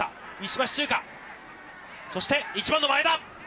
そして、１番の前田。